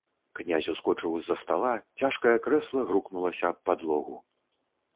Князь ускочыў з-за стала, цяжкае крэсла грукнулася аб падлогу.